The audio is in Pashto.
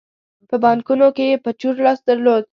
په بانکونو کې یې په چور لاس درلود.